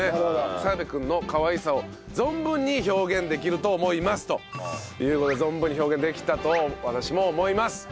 澤部君のかわいさを存分に表現できると思いますという事で存分に表現できたと私も思います。